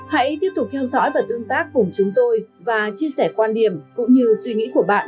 hãy tiếp tục theo dõi và tương tác cùng chúng tôi và chia sẻ quan điểm cũng như suy nghĩ của bạn